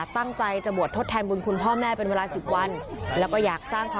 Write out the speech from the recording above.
มีความเศร้าแบบนั้นนะคะ